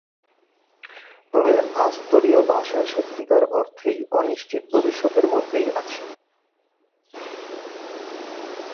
তবে আস্তুরীয় ভাষা সত্যিকার অর্থেই অনিশ্চিত ভবিষ্যতের মধ্যেই আছে।